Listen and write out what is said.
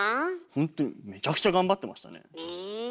ほんとにめちゃくちゃ頑張ってましたね。